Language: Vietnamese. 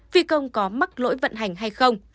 phi công có mắc lỗi vận hành hay không